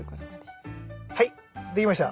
はいできました。